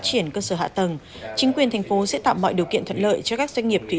triển cơ sở hạ tầng chính quyền thành phố sẽ tạo mọi điều kiện thuận lợi cho các doanh nghiệp thủy